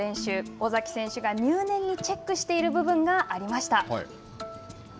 尾崎選手が入念にチェックしている部分がありました。